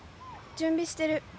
準備してる。